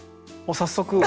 早速。